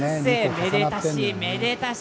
めでたし、めでたし。